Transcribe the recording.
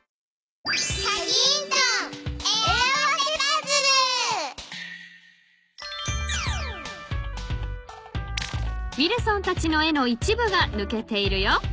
［ウィルソンたちの絵の一部がぬけているよ］